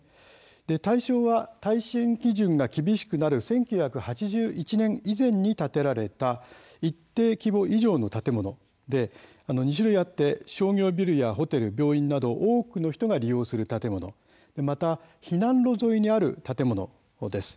対象は耐震基準が厳しくなる１９８１年以前に建てられた一定規模以上の建物で２種類あって商業ビルやホテル病院など、多くの人が利用する建物、また避難路沿いにある建物です。